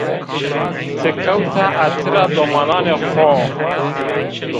Ti kewta etira domananê xo